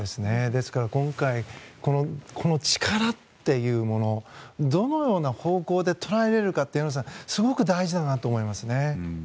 ですから今回、この力というものどのような方向で捉えられるかってすごく大事だなと思いますね。